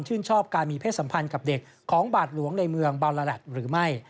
ชอบการมีเพศสัมพันธ์กับเด็กของบาทหลวงในเมืองบาลาแลตหรือไม่